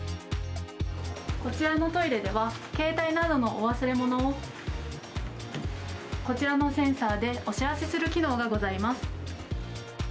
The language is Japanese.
こちらのトイレでは、携帯などのお忘れ物をこちらのセンサーでお知らせする機能がございます。